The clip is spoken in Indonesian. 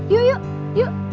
yuk yuk yuk